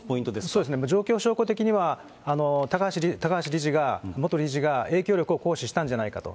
状況証拠的には、高橋理事が、元理事が影響力を行使したんじゃないかと。